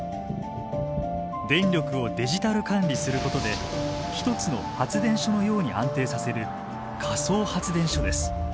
電力をデジタル管理することで１つの発電所のように安定させる仮想発電所です。